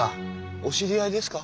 お知り合いですか？